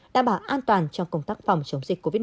đảm bảo an toàn trong công tác phòng chống dịch covid một mươi chín